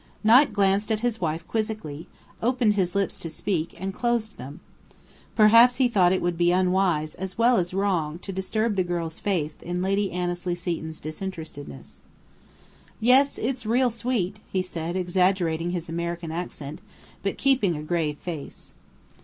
Knight glanced at his wife quizzically, opened his lips to speak, and closed them. Perhaps he thought it would be unwise as well as wrong to disturb the girl's faith in Lady Annesley Seton's disinterestedness. "Yes, it's real sweet!" he said, exaggerating his American accent, but keeping a grave face.